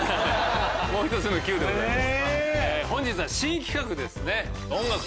もう１つのＱでございます。